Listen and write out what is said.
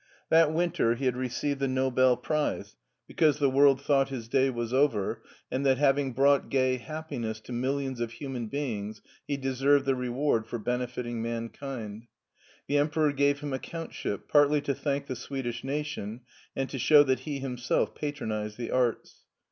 That winter he had received the Nobel prize, because the world thought his day was over, and that having brought gay happiness to millions of human beings, he deserved the reward for benefiting mankind. The Emperor gave him a Countship, partly to thank the Swedish nation, and to show that he himself patronized the arts.